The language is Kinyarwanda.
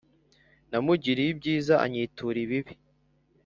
Namugiriye ibyiza, anyitura ibibi.